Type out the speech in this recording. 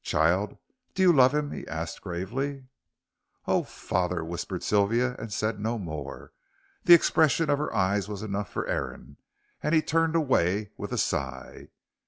"Child, do you love him?" he asked gravely. "Oh, father!" whispered Sylvia, and said no more. The expression of her eyes was enough for Aaron, and he turned away with a sigh.